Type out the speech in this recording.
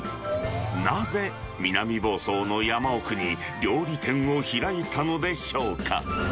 なぜ南房総の山奥に料理店を開いたのでしょうか。